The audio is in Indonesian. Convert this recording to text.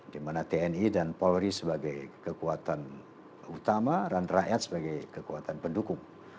di mana tni dan polri sebagai kekuatan utama dan rakyat sebagai kekuatan pendukung